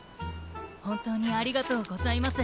ほんとうにありがとうございます。